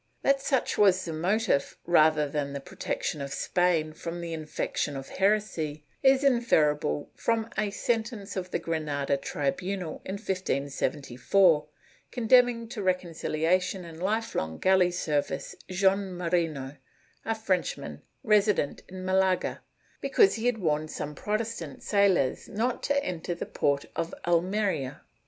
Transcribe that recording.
^ That such was the motive, rather than the pro tection of Spain from the infection of heresy, is inferable from a sentence of the Granada tribunal, in 1574, condemning to recon cifiation and life long galley service Jean Moreno, a Frenchman, resident in Malaga, because he had warned some Protestant sailors not to enter the port of Almeria.